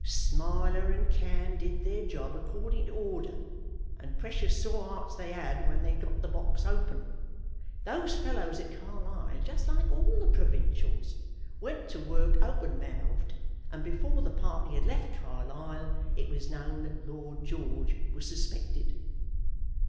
Smiler and Cann did their job according to order, and precious sore hearts they had when they'd got the box open. Those fellows at Carlisle, just like all the provincials, went to work open mouthed, and before the party had left Carlisle it was known that Lord George was suspected."